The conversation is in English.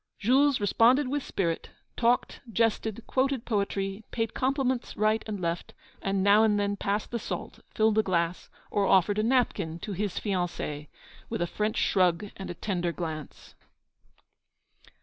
Jules responded with spirit, talked, jested, quoted poetry, paid compliments right and left, and now and then passed the salt, filled a glass, or offered a napkin to his fiancée with a French shrug and a tender glance.